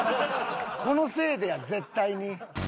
このせいでや絶対に。